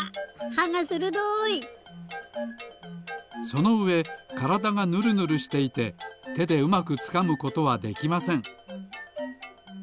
そのうえからだがぬるぬるしていててでうまくつかむことはできません。